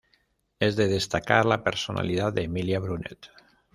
Es de destacar la personalidad de Emilia Brunet.